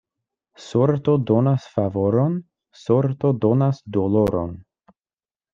Sorto donas favoron, sorto donas doloron.